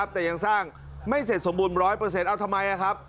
แต่ยังสร้างไม่เสร็จสมบูรณ๑๐๐เอาทำไมครับ